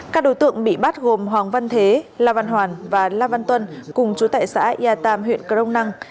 các đối tượng bị bắt gồm hoàng văn thế la văn hoàn và la văn tuân cùng chú tại xã yà tam huyện crong năng